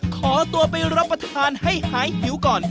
ขอตัวไปรับประทานให้หายหิวก่อน